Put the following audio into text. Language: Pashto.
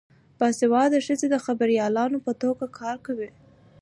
باسواده ښځې د خبریالانو په توګه کار کوي.